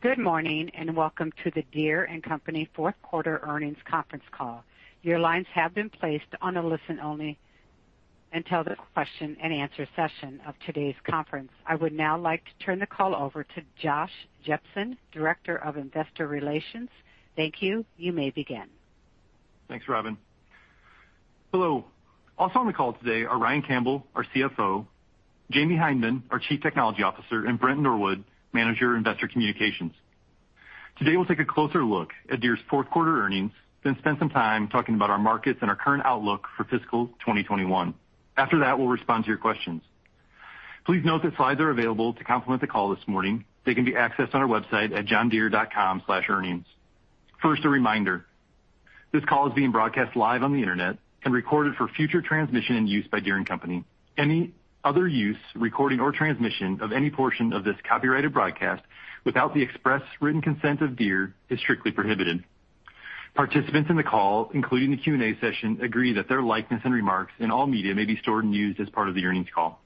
Good morning, and welcome to the Deere & Company fourth quarter earnings conference call. Your lines have been placed on a listen-only until the question-and-answer session of today's conference. I would now like to turn the call over to Josh Jepsen, Director of Investor Relations. Thank you. You may begin. Thanks, Robin. Hello. Also on the call today are Ryan Campbell, our CFO, Jahmy Hindman, our Chief Technology Officer, and Brent Norwood, Manager, Investor Communications. Today we'll take a closer look at Deere's fourth quarter earnings, then spend some time talking about our markets and our current outlook for fiscal 2021. After that, we'll respond to your questions. Please note that slides are available to complement the call this morning. They can be accessed on our website at johndeere.com/earnings. First, a reminder, this call is being broadcast live on the internet and recorded for future transmission and use by Deere & Company. Any other use, recording or transmission of any portion of this copyrighted broadcast without the express written consent of Deere is strictly prohibited. Participants in the call, including the Q&A session, agree that their likeness and remarks in all media may be stored and used as part of the earnings call.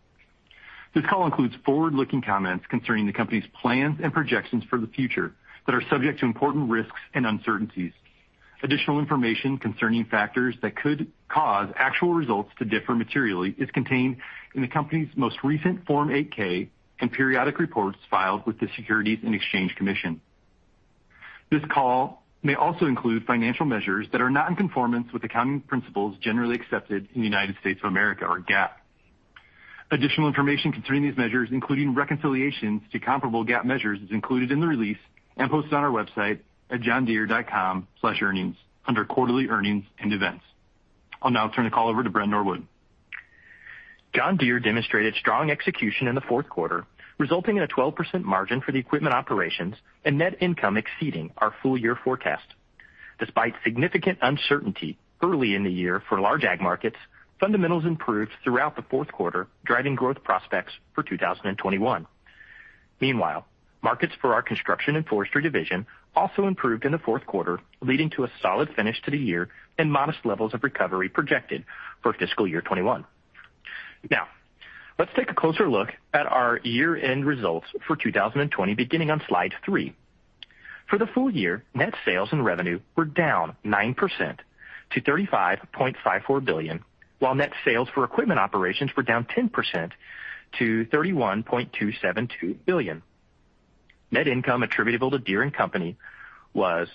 This call includes forward-looking comments concerning the company's plans and projections for the future that are subject to important risks and uncertainties. Additional information concerning factors that could cause actual results to differ materially is contained in the company's most recent Form 8-K and periodic reports filed with the Securities and Exchange Commission. This call may also include financial measures that are not in conformance with accounting principles generally accepted in the United States of America, or GAAP. Additional information concerning these measures, including reconciliations to comparable GAAP measures, is included in the release and posted on our website at johndeere.com/earnings under Quarterly Earnings and Events. I'll now turn the call over to Brent Norwood. John Deere demonstrated strong execution in the fourth quarter, resulting in a 12% margin for the equipment operations and net income exceeding our full-year forecast. Despite significant uncertainty early in the year for large ag markets, fundamentals improved throughout the fourth quarter, driving growth prospects for 2021. Meanwhile, markets for our Construction & Forestry division also improved in the fourth quarter, leading to a solid finish to the year and modest levels of recovery projected for fiscal year 2021. Now, let's take a closer look at our year-end results for 2020, beginning on slide three. For the full year, net sales and revenue were down 9% to $35.54 billion, while net sales for equipment operations were down 10% to $31.272 billion. Net income attributable to Deere & Company was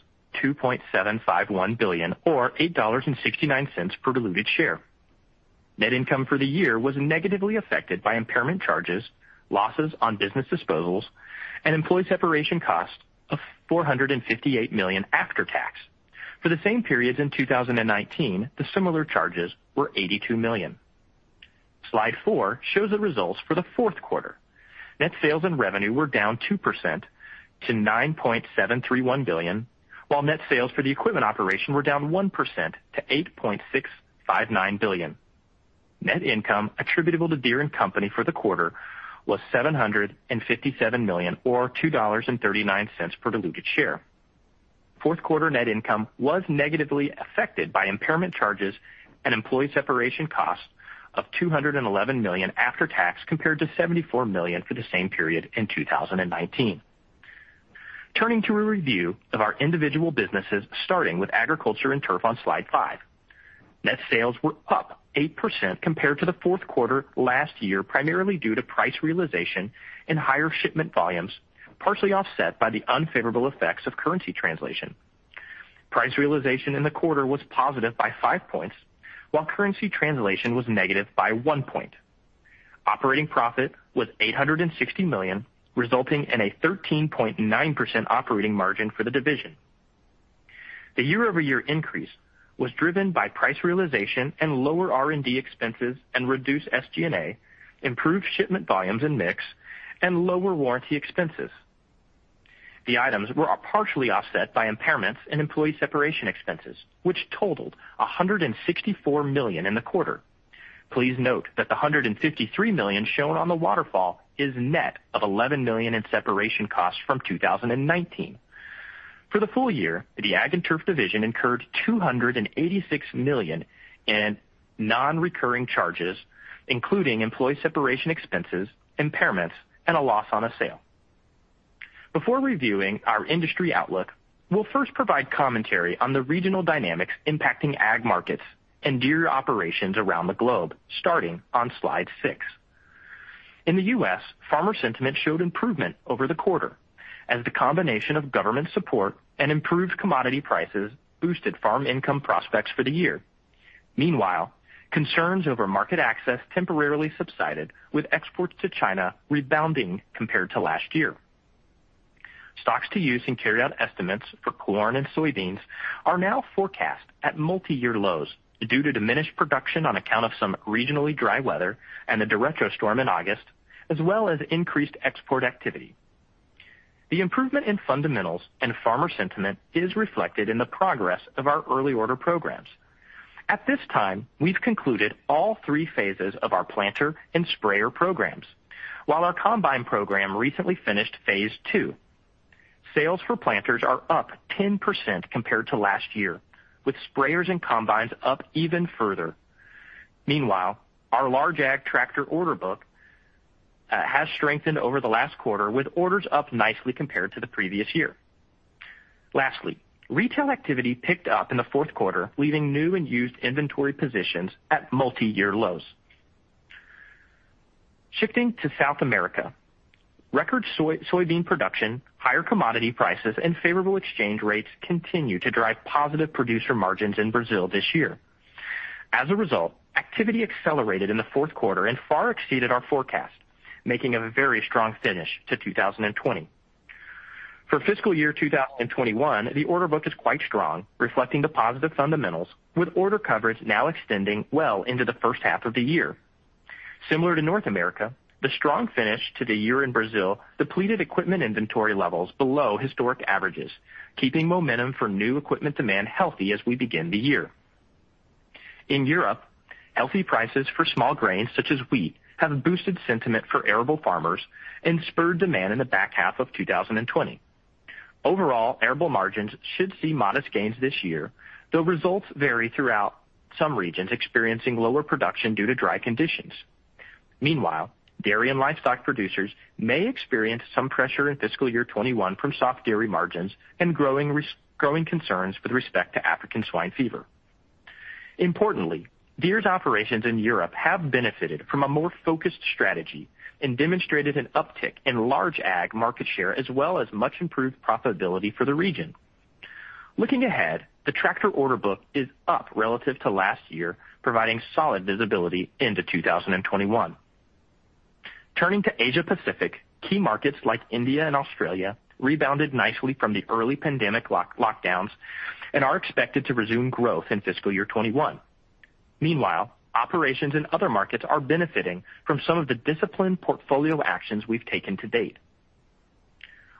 $2.751 billion, or $8.69 per diluted share. Net income for the year was negatively affected by impairment charges, losses on business disposals, and employee separation costs of $458 million after tax. For the same periods in 2019, the similar charges were $82 million. Slide four shows the results for the fourth quarter. Net sales and revenue were down 2% to $9.731 billion, while net sales for the equipment operation were down 1% to $8.659 billion. Net income attributable to Deere & Company for the quarter was $757 million, or $2.39 per diluted share. Fourth-quarter net income was negatively affected by impairment charges and employee separation costs of $211 million after tax, compared to $74 million for the same period in 2019. Turning to a review of our individual businesses, starting with agriculture and turf on Slide five. Net sales were up 8% compared to the fourth quarter last year, primarily due to price realization and higher shipment volumes, partially offset by the unfavorable effects of currency translation. Price realization in the quarter was positive by five points, while currency translation was negative by one point. Operating profit was $860 million, resulting in a 13.9% operating margin for the division. The year-over-year increase was driven by price realization and lower R&D expenses and reduced SG&A, improved shipment volumes and mix, and lower warranty expenses. The items were partially offset by impairments and employee separation expenses, which totaled $164 million in the quarter. Please note that the $153 million shown on the waterfall is net of $11 million in separation costs from 2019. For the full year, the Ag & Turf division incurred $286 million in non-recurring charges, including employee separation expenses, impairments, and a loss on a sale. Before reviewing our industry outlook, we'll first provide commentary on the regional dynamics impacting ag markets and Deere operations around the globe, starting on slide six. In the U.S., farmer sentiment showed improvement over the quarter as the combination of government support and improved commodity prices boosted farm income prospects for the year. Meanwhile, concerns over market access temporarily subsided, with exports to China rebounding compared to last year. Stocks to use and carryout estimates for corn and soybeans are now forecast at multiyear lows due to diminished production on account of some regionally dry weather and a derecho storm in August, as well as increased export activity. The improvement in fundamentals and farmer sentiment is reflected in the progress of our early order programs. At this time, we've concluded all three phases of our planter and sprayer programs, while our combine program recently finished phase two. Sales for planters are up 10% compared to last year, with sprayers and combines up even further. Meanwhile, our large ag tractor order book has strengthened over the last quarter, with orders up nicely compared to the previous year. Lastly, retail activity picked up in the fourth quarter, leaving new and used inventory positions at multi-year lows. Shifting to South America. Record soybean production, higher commodity prices, and favorable exchange rates continue to drive positive producer margins in Brazil this year. As a result, activity accelerated in the fourth quarter and far exceeded our forecast, making a very strong finish to 2020. For fiscal year 2021, the order book is quite strong, reflecting the positive fundamentals, with order coverage now extending well into the first half of the year. Similar to North America, the strong finish to the year in Brazil depleted equipment inventory levels below historic averages, keeping momentum for new equipment demand healthy as we begin the year. In Europe, healthy prices for small grains such as wheat have boosted sentiment for arable farmers and spurred demand in the back half of 2020. Overall, arable margins should see modest gains this year, though results vary throughout, some regions experiencing lower production due to dry conditions. Meanwhile, dairy and livestock producers may experience some pressure in fiscal year 2021 from soft dairy margins and growing concerns with respect to African swine fever. Importantly, Deere's operations in Europe have benefited from a more focused strategy and demonstrated an uptick in large ag market share, as well as much improved profitability for the region. Looking ahead, the tractor order book is up relative to last year, providing solid visibility into 2021. Turning to Asia Pacific, key markets like India and Australia rebounded nicely from the early pandemic lockdowns and are expected to resume growth in fiscal year 2021. Meanwhile, operations in other markets are benefiting from some of the disciplined portfolio actions we've taken to date.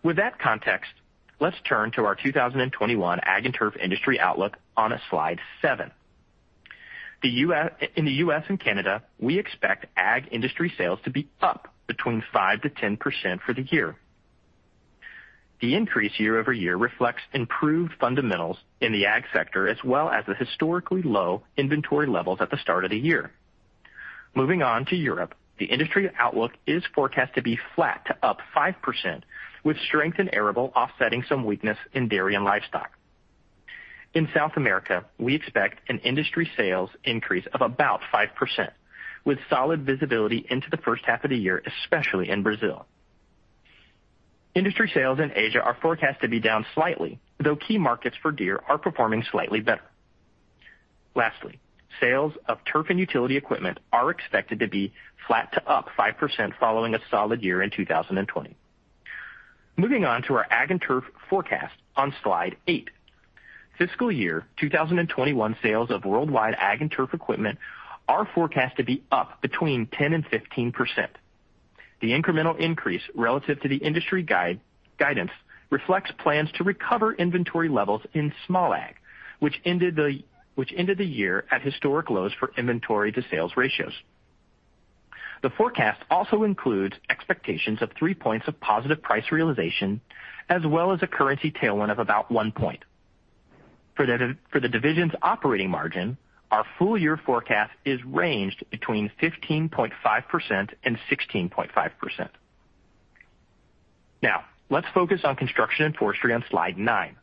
With that context, let's turn to our 2021 Ag & Turf industry outlook on slide seven. In the U.S. and Canada, we expect Ag industry sales to be up between 5%-10% for the year. The increase year-over-year reflects improved fundamentals in the Ag sector as well as the historically low inventory levels at the start of the year. Moving on to Europe, the industry outlook is forecast to be flat to up 5%, with strength in arable offsetting some weakness in dairy and livestock. In South America, we expect an industry sales increase of about 5%, with solid visibility into the first half of the year, especially in Brazil. Industry sales in Asia are forecast to be down slightly, though key markets for Deere are performing slightly better. Lastly, sales of turf and utility equipment are expected to be flat to up 5% following a solid year in 2020. Moving on to our Ag & Turf forecast on slide eight. Fiscal year 2021 sales of worldwide Ag & Turf equipment are forecast to be up between 10% and 15%. The incremental increase relative to the industry guidance reflects plans to recover inventory levels in small Ag, which ended the year at historic lows for inventory to sales ratios. The forecast also includes expectations of three points of positive price realization, as well as a currency tailwind of about one point. For the division's operating margin, our full-year forecast is ranged between 15.5% and 16.5%. Now, let's focus on Construction & Forestry on slide nine.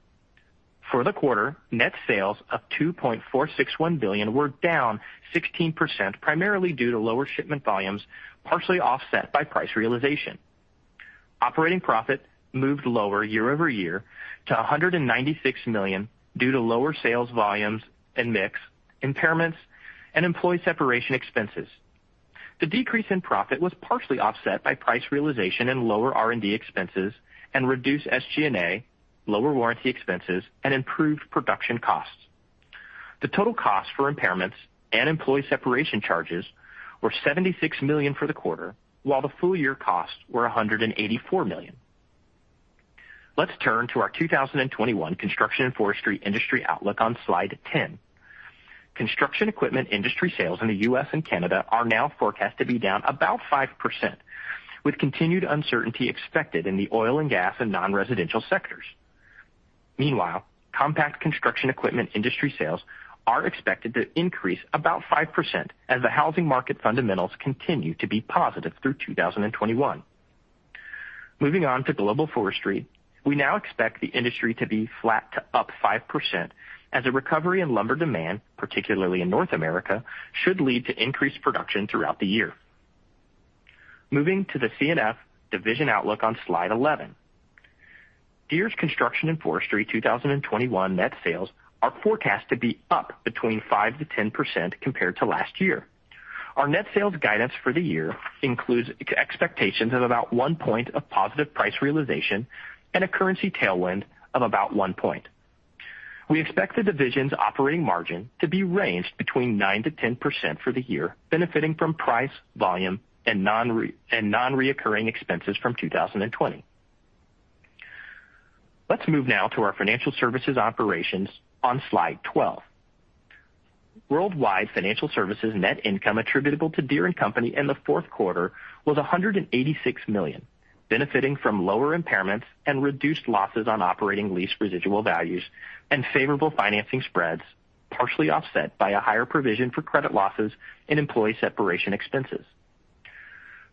For the quarter, net sales of $2.461 billion were down 16%, primarily due to lower shipment volumes, partially offset by price realization. Operating profit moved lower year over year to $196 million due to lower sales volumes and mix, impairments, and employee separation expenses. The decrease in profit was partially offset by price realization and lower R&D expenses and reduced SG&A, lower warranty expenses, and improved production costs. The total cost for impairments and employee separation charges were $76 million for the quarter, while the full-year costs were $184 million. Let's turn to our 2021 Construction & Forestry industry outlook on slide 10. Construction equipment industry sales in the U.S. and Canada are now forecast to be down about 5%, with continued uncertainty expected in the oil and gas and non-residential sectors. Compact construction equipment industry sales are expected to increase about 5% as the housing market fundamentals continue to be positive through 2021. Moving on to global forestry. We now expect the industry to be flat to up 5% as a recovery in lumber demand, particularly in North America, should lead to increased production throughout the year. Moving to the C&F division outlook on slide 11. Deere's Construction & Forestry 2021 net sales are forecast to be up between 5%-10% compared to last year. Our net sales guidance for the year includes expectations of about one point of positive price realization and a currency tailwind of about one point. We expect the division's operating margin to be between 9%-10% for the year, benefiting from price, volume, and non-recurring expenses from 2020. Let's move now to our financial services operations on slide 12. Worldwide financial services net income attributable to Deere & Company in the fourth quarter was $186 million, benefiting from lower impairments and reduced losses on operating lease residual values and favorable financing spreads, partially offset by a higher provision for credit losses and employee separation expenses.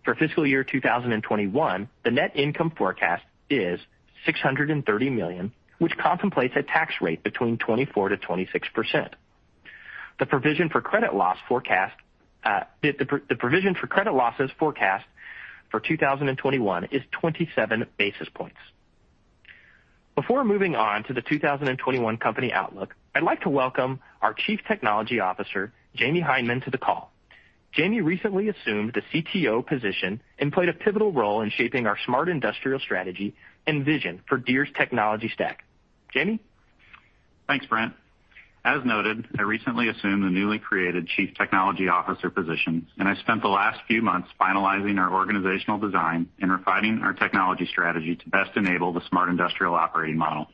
For fiscal year 2021, the net income forecast is $630 million, which contemplates a tax rate between 24%-26%. The provision for credit losses forecast for 2021 is 27 basis points. Before moving on to the 2021 company outlook, I'd like to welcome our Chief Technology Officer, Jahmy Hindman, to the call. Jahmy recently assumed the CTO position and played a pivotal role in shaping our Smart Industrial strategy and vision for Deere's technology stack. Jahmy? Thanks, Brent. As noted, I recently assumed the newly created Chief Technology Officer position. I spent the last few months finalizing our organizational design and refining our technology strategy to best enable the Smart Industrial operating model.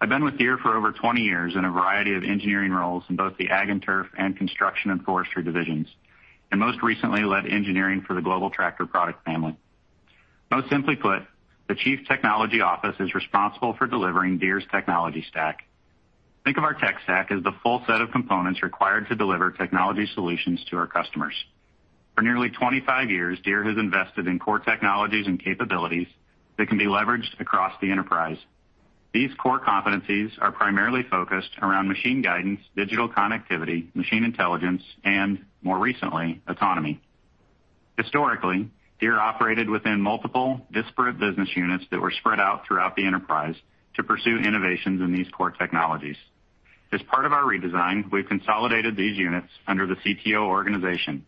I've been with Deere for over 20 years in a variety of engineering roles in both the Ag & Turf and Construction & Forestry divisions. Most recently led engineering for the global tractor product family. Most simply put, the Chief Technology Office is responsible for delivering Deere's technology stack. Think of our tech stack as the full set of components required to deliver technology solutions to our customers. For nearly 25 years, Deere has invested in core technologies and capabilities that can be leveraged across the enterprise. These core competencies are primarily focused around machine guidance, digital connectivity, machine intelligence, and more recently, autonomy. Historically, Deere operated within multiple disparate business units that were spread out throughout the enterprise to pursue innovations in these core technologies. As part of our redesign, we've consolidated these units under the CTO organization.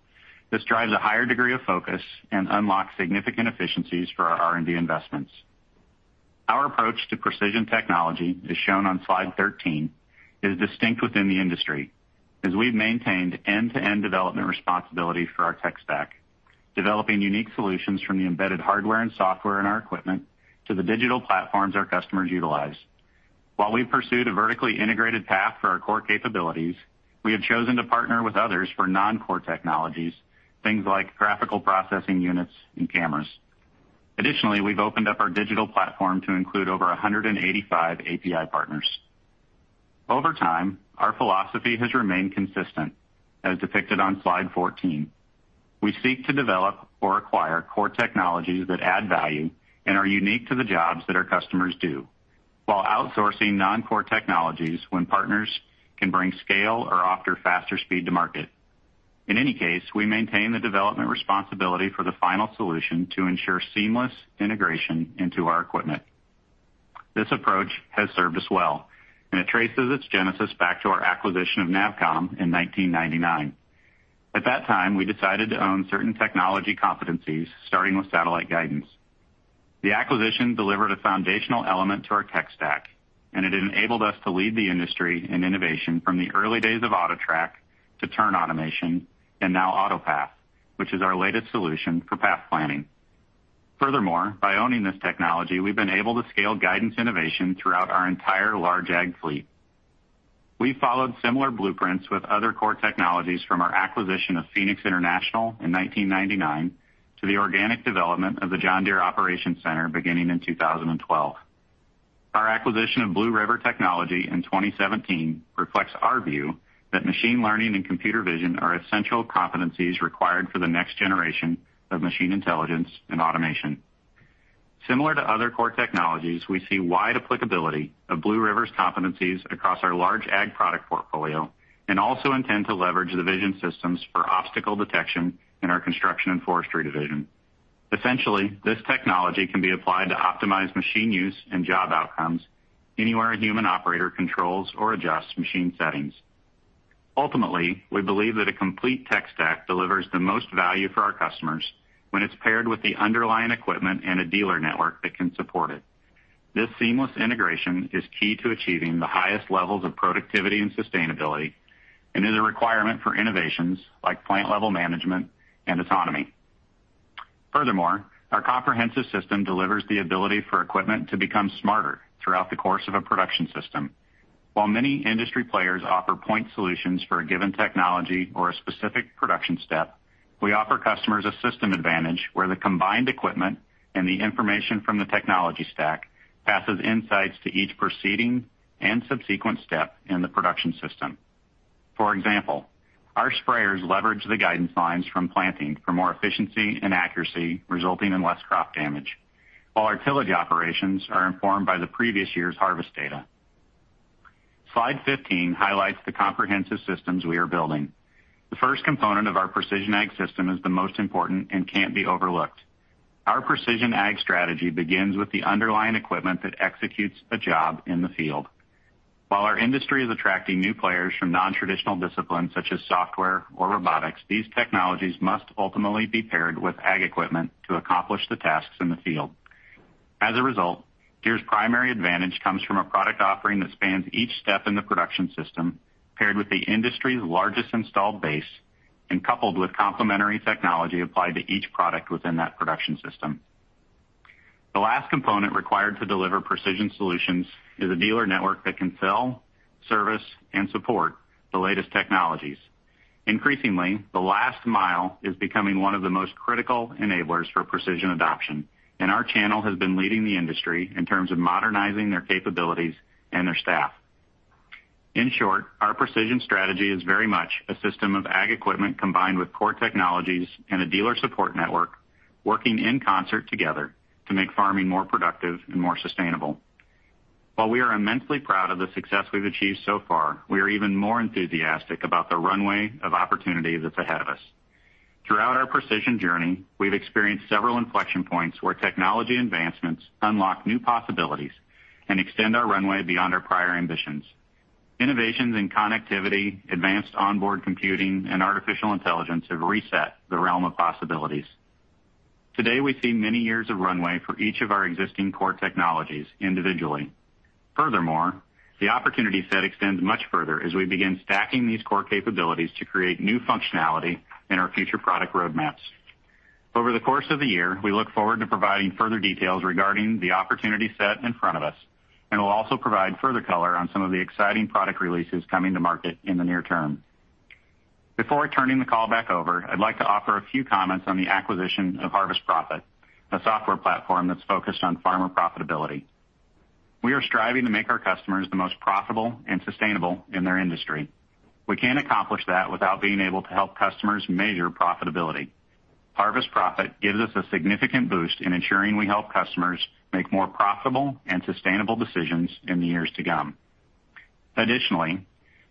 This drives a higher degree of focus and unlocks significant efficiencies for our R&D investments. Our approach to precision technology, as shown on slide 13, is distinct within the industry, as we've maintained end-to-end development responsibility for our tech stack, developing unique solutions from the embedded hardware and software in our equipment to the digital platforms our customers utilize. While we've pursued a vertically integrated path for our core capabilities, we have chosen to partner with others for non-core technologies, things like graphical processing units and cameras. Additionally, we've opened up our digital platform to include over 185 API partners. Over time, our philosophy has remained consistent, as depicted on slide 14. We seek to develop or acquire core technologies that add value and are unique to the jobs that our customers do while outsourcing non-core technologies when partners can bring scale or offer faster speed to market. In any case, we maintain the development responsibility for the final solution to ensure seamless integration into our equipment. This approach has served us well, and it traces its genesis back to our acquisition of NavCom in 1999. At that time, we decided to own certain technology competencies, starting with satellite guidance. The acquisition delivered a foundational element to our tech stack, and it enabled us to lead the industry in innovation from the early days of AutoTrac to turn automation and now AutoPath, which is our latest solution for path planning. Furthermore, by owning this technology, we've been able to scale guidance innovation throughout our entire large ag fleet. We followed similar blueprints with other core technologies from our acquisition of Phoenix International in 1999 to the organic development of the John Deere Operations Center beginning in 2012. Our acquisition of Blue River Technology in 2017 reflects our view that machine learning and computer vision are essential competencies required for the next generation of machine intelligence and automation. Similar to other core technologies, we see wide applicability of Blue River's competencies across our large ag product portfolio and also intend to leverage the vision systems for obstacle detection in our Construction & Forestry division. Essentially, this technology can be applied to optimize machine use and job outcomes anywhere a human operator controls or adjusts machine settings. Ultimately, we believe that a complete tech stack delivers the most value for our customers when it's paired with the underlying equipment and a dealer network that can support it. This seamless integration is key to achieving the highest levels of productivity and sustainability and is a requirement for innovations like plant level management and autonomy. Furthermore, our comprehensive system delivers the ability for equipment to become smarter throughout the course of a production system. While many industry players offer point solutions for a given technology or a specific production step, we offer customers a system advantage where the combined equipment and the information from the technology stack passes insights to each proceeding and subsequent step in the production system. For example, our sprayers leverage the guidance lines from planting for more efficiency and accuracy, resulting in less crop damage. While our tillage operations are informed by the previous year's harvest data. Slide 15 highlights the comprehensive systems we are building. The first component of our precision ag system is the most important and can't be overlooked. Our precision ag strategy begins with the underlying equipment that executes a job in the field. While our industry is attracting new players from non-traditional disciplines such as software or robotics, these technologies must ultimately be paired with ag equipment to accomplish the tasks in the field. As a result, Deere's primary advantage comes from a product offering that spans each step in the production system, paired with the industry's largest installed base and coupled with complementary technology applied to each product within that production system. The last component required to deliver precision solutions is a dealer network that can sell, service, and support the latest technologies. Increasingly, the last mile is becoming one of the most critical enablers for precision adoption, and our channel has been leading the industry in terms of modernizing their capabilities and their staff. In short, our precision strategy is very much a system of ag equipment combined with core technologies and a dealer support network working in concert together to make farming more productive and more sustainable. While we are immensely proud of the success we've achieved so far, we are even more enthusiastic about the runway of opportunity that's ahead of us. Throughout our precision journey, we've experienced several inflection points where technology advancements unlock new possibilities and extend our runway beyond our prior ambitions. Innovations in connectivity, advanced onboard computing, and artificial intelligence have reset the realm of possibilities. Today, we see many years of runway for each of our existing core technologies individually. Furthermore, the opportunity set extends much further as we begin stacking these core capabilities to create new functionality in our future product roadmaps. Over the course of the year, we look forward to providing further details regarding the opportunity set in front of us, and we'll also provide further color on some of the exciting product releases coming to market in the near term. Before turning the call back over, I'd like to offer a few comments on the acquisition of Harvest Profit, a software platform that's focused on farmer profitability. We are striving to make our customers the most profitable and sustainable in their industry. We can't accomplish that without being able to help customers measure profitability. Harvest Profit gives us a significant boost in ensuring we help customers make more profitable and sustainable decisions in the years to come.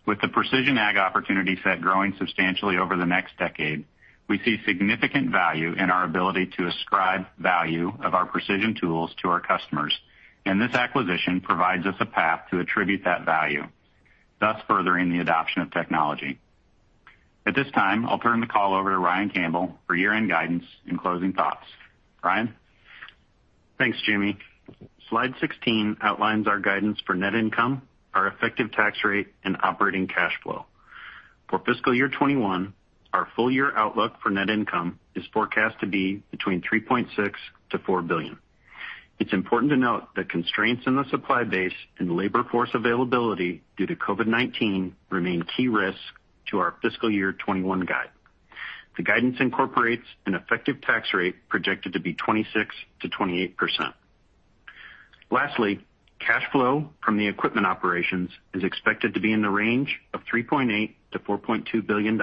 With the precision ag opportunity set growing substantially over the next decade, we see significant value in our ability to ascribe value of our precision tools to our customers, and this acquisition provides us a path to attribute that value, thus furthering the adoption of technology. At this time, I'll turn the call over to Ryan Campbell for year-end guidance and closing thoughts. Ryan? Thanks, Jahmy. Slide 16 outlines our guidance for net income, our effective tax rate, and operating cash flow. For fiscal year 2021, our full-year outlook for net income is forecast to be between $3.6 billion-$4 billion. It's important to note that constraints in the supply base and labor force availability due to COVID-19 remain key risks to our fiscal year 2021 guide. The guidance incorporates an effective tax rate projected to be 26%-28%. Lastly, cash flow from the equipment operations is expected to be in the range of $3.8 billion-$4.2 billion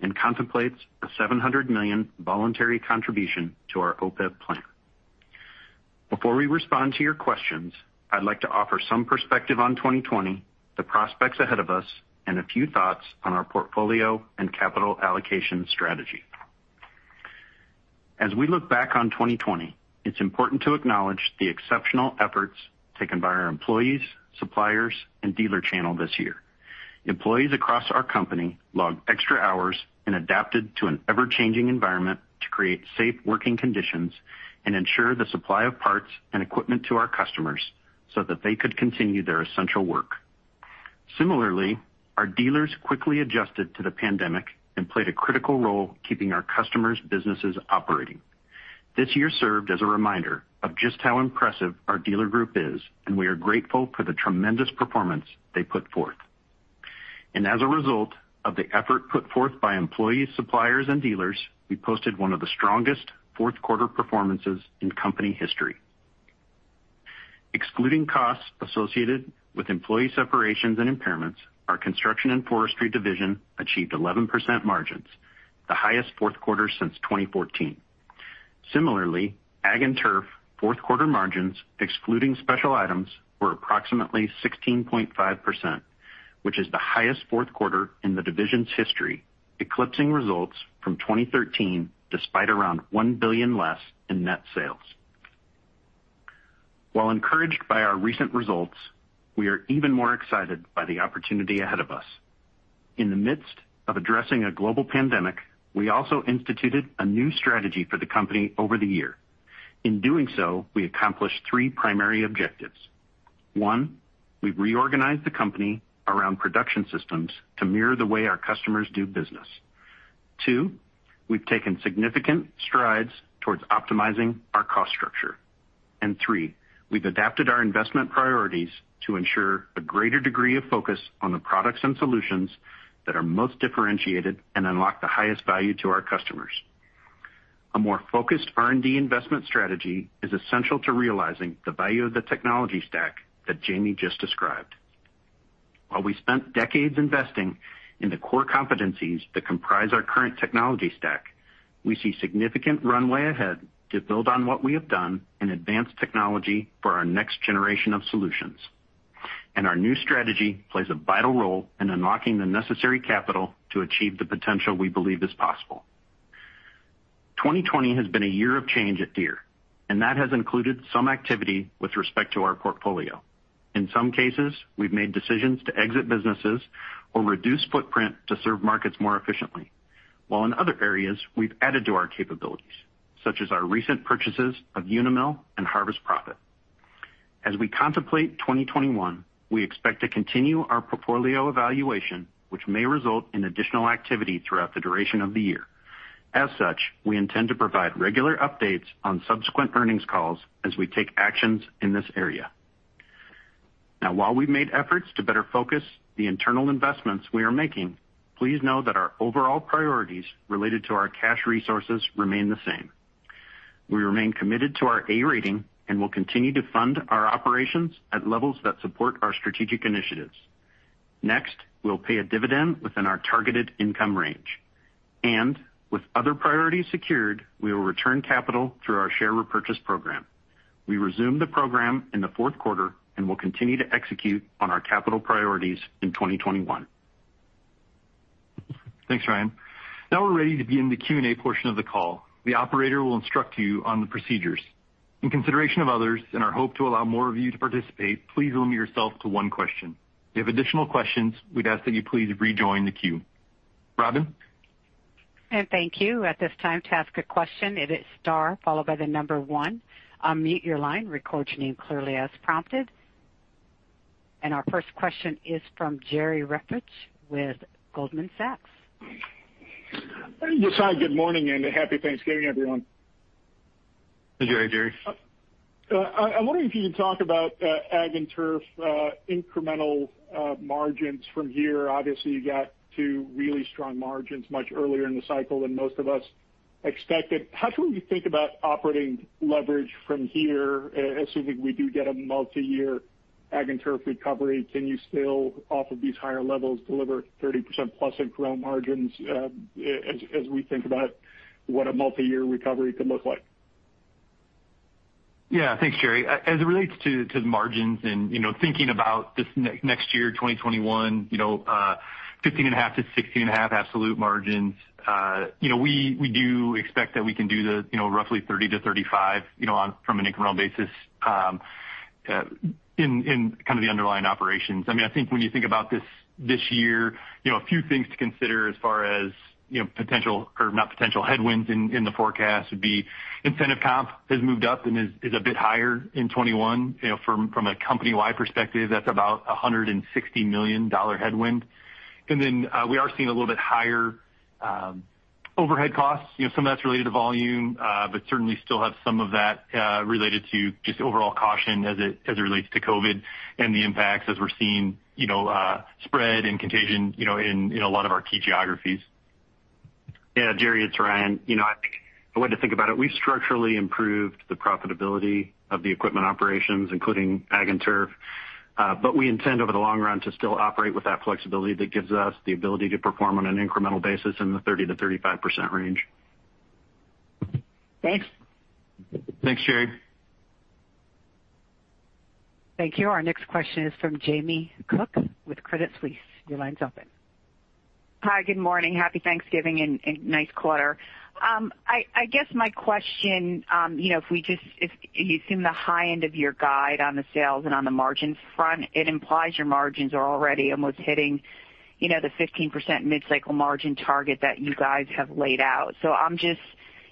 and contemplates a $700 million voluntary contribution to our OPEB plan. Before we respond to your questions, I'd like to offer some perspective on 2020, the prospects ahead of us, and a few thoughts on our portfolio and capital allocation strategy. As we look back on 2020, it's important to acknowledge the exceptional efforts taken by our employees, suppliers, and dealer channel this year. Employees across our company logged extra hours and adapted to an ever-changing environment to create safe working conditions and ensure the supply of parts and equipment to our customers so that they could continue their essential work. Similarly, our dealers quickly adjusted to the pandemic and played a critical role keeping our customers' businesses operating. This year served as a reminder of just how impressive our dealer group is, and we are grateful for the tremendous performance they put forth. As a result of the effort put forth by employees, suppliers, and dealers, we posted one of the strongest fourth-quarter performances in company history. Excluding costs associated with employee separations and impairments, our Construction & Forestry division achieved 11% margins, the highest fourth quarter since 2014. Similarly, Ag & Turf fourth-quarter margins, excluding special items, were approximately 16.5%, which is the highest fourth quarter in the division's history, eclipsing results from 2013 despite around $1 billion less in net sales. While encouraged by our recent results, we are even more excited by the opportunity ahead of us. In the midst of addressing a global pandemic, we also instituted a new strategy for the company over the year. In doing so, we accomplished three primary objectives. One, we've reorganized the company around production systems to mirror the way our customers do business. Two, we've taken significant strides towards optimizing our cost structure. Three, we've adapted our investment priorities to ensure a greater degree of focus on the products and solutions that are most differentiated and unlock the highest value to our customers. A more focused R&D investment strategy is essential to realizing the value of the technology stack that Jahmy just described. While we spent decades investing in the core competencies that comprise our current technology stack, we see significant runway ahead to build on what we have done and advance technology for our next generation of solutions. Our new strategy plays a vital role in unlocking the necessary capital to achieve the potential we believe is possible. 2020 has been a year of change at Deere, and that has included some activity with respect to our portfolio. In some cases, we've made decisions to exit businesses or reduce footprint to serve markets more efficiently. While in other areas, we've added to our capabilities, such as our recent purchases of Unimil and Harvest Profit. As we contemplate 2021, we expect to continue our portfolio evaluation, which may result in additional activity throughout the duration of the year. As such, we intend to provide regular updates on subsequent earnings calls as we take actions in this area. Now while we've made efforts to better focus the internal investments we are making, please know that our overall priorities related to our cash resources remain the same. We remain committed to our A rating and will continue to fund our operations at levels that support our strategic initiatives. Next, we'll pay a dividend within our targeted income range. With other priorities secured, we will return capital through our share repurchase program. We resume the program in the fourth quarter and will continue to execute on our capital priorities in 2021. Thanks, Ryan. Now we're ready to begin the Q&A portion of the call. The operator will instruct you on the procedures. In consideration of others and our hope to allow more of you to participate, please limit yourself to one question. If you have additional questions, we'd ask that you please rejoin the queue. Robin? Thank you. Our first question is from Jerry Revich with Goldman Sachs. Yes. Hi, good morning, and happy Thanksgiving, everyone. Hey, Jerry. I'm wondering if you can talk about Ag & Turf incremental margins from here. Obviously, you got two really strong margins much earlier in the cycle than most of us expected. How should we think about operating leverage from here, assuming we do get a multi-year Ag & Turf recovery? Can you still, off of these higher levels, deliver 30%+ incremental margins as we think about what a multi-year recovery could look like? Yeah. Thanks, Jerry. As it relates to the margins and thinking about this next year 2021, 15.5%-16.5% absolute margins. We do expect that we can do the roughly 30%-35% from an incremental basis in kind of the underlying operations. I think when you think about this year, a few things to consider as far as headwinds in the forecast would be incentive comp has moved up and is a bit higher in 2021. From a company-wide perspective, that's about $160 million headwind. We are seeing a little bit higher overhead costs. Some of that's related to volume but certainly still have some of that related to just overall caution as it relates to COVID and the impacts as we're seeing spread and contagion in a lot of our key geographies. Yeah. Jerry, it's Ryan. I think the way to think about it, we've structurally improved the profitability of the equipment operations, including Ag & Turf. We intend over the long run to still operate with that flexibility that gives us the ability to perform on an incremental basis in the 30%-35% range. Thanks. Thanks, Jerry. Thank you. Our next question is from Jamie Cook with Credit Suisse. Your line's open. Hi, good morning. Happy Thanksgiving and nice quarter. My question, if you assume the high end of your guide on the sales and on the margins front, it implies your margins are already almost hitting the 15% mid-cycle margin target that you guys have laid out.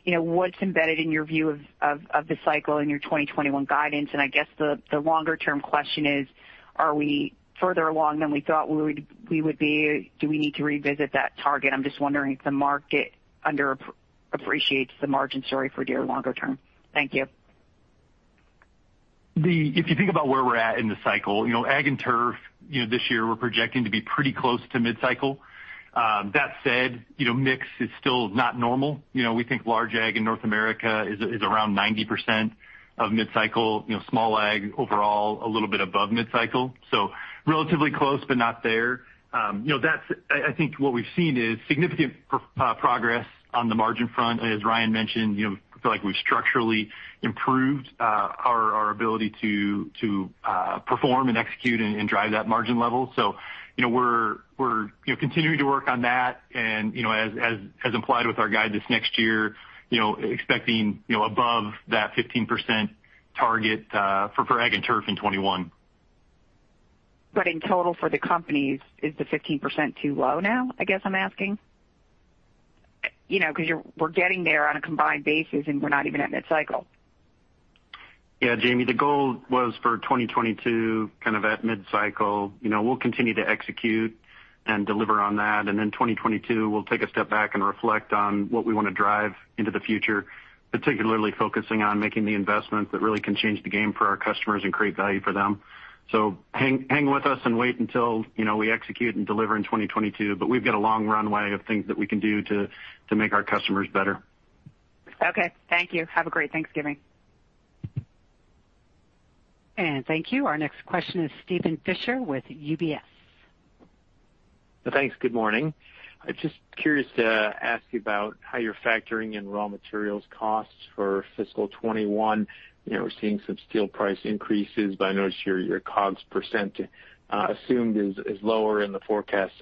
What's embedded in your view of the cycle in your 2021 guidance? The longer-term question is, are we further along than we thought we would be? Do we need to revisit that target? I'm just wondering if the market under appreciates the margin story for Deere longer term. Thank you. If you think about where we're at in the cycle, Ag & Turf this year we're projecting to be pretty close to mid-cycle. That said, mix is still not normal. We think large Ag in North America is around 90% of mid-cycle. Small Ag overall a little bit above mid-cycle. Relatively close, but not there. I think what we've seen is significant progress on the margin front. As Ryan mentioned, I feel like we've structurally improved our ability to perform and execute and drive that margin level. We're continuing to work on that and as implied with our guide this next year, expecting above that 15% target for Ag & Turf in 2021. In total for the companies, is the 15% too low now, I guess I'm asking? Because we're getting there on a combined basis and we're not even at mid-cycle. Yeah, Jamie, the goal was for 2022 kind of at mid-cycle. We'll continue to execute and deliver on that. In 2022, we'll take a step back and reflect on what we want to drive into the future, particularly focusing on making the investments that really can change the game for our customers and create value for them. Hang with us and wait until we execute and deliver in 2022. We've got a long runway of things that we can do to make our customers better. Okay. Thank you. Have a great Thanksgiving. Thank you. Our next question is Steven Fisher with UBS. Thanks. Good morning. I'm just curious to ask you about how you're factoring in raw materials costs for fiscal 2021. We're seeing some steel price increases, but I noticed your COGS percent assumed is lower in the forecast.